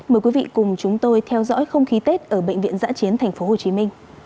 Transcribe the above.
mời quý vị cùng chúng tôi theo dõi không khí tết ở bệnh viện giã chiến tp hcm